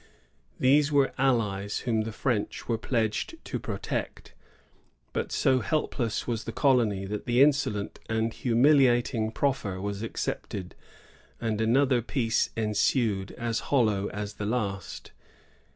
These were allies whom the French were pledged to protect; but so helpless was the colony that the insolent and humiliating proffer was accepted, and another peace ensued, as hollow as the last.